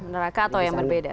neraka atau yang berbeda